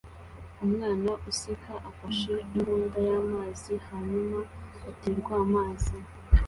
Umwana useka afashe imbunda y'amazi hanyuma aterwa amazi